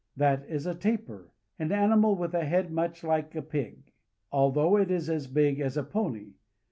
That is a tapir, an animal with a head much Hke a pig, although it is as big as a pony.